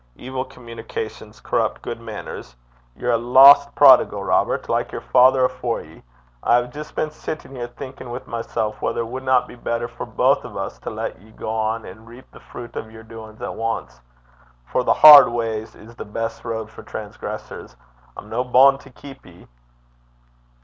Evil communications corrupt gude mainners. Ye're a lost prodigal, Robert, like yer father afore ye. I hae jist been sittin' here thinkin' wi' mysel' whether it wadna be better for baith o' 's to lat ye gang an' reap the fruit o' yer doin's at ance; for the hard ways is the best road for transgressors. I'm no bund to keep ye.'